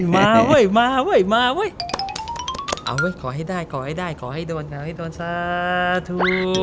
มาเว้ยมาเว้ยมาเว้ยเอาไว้ขอให้ได้ขอให้ได้ขอให้โดนขอให้โดนสาธุ